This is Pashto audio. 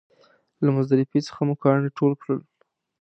له مزدلفې څخه مو کاڼي ټول کړل.